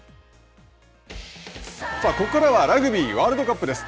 ここからはラグビーワールドカップです。